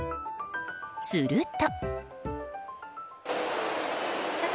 すると。